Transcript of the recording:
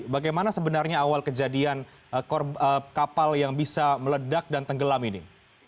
bagaimana sebenarnya awal kejadian kapal yang bisa meledak dan tenggelam ini